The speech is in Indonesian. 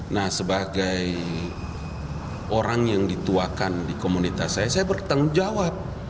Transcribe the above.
nah sebagai orang yang dituakan di komunitas saya saya bertanggung jawab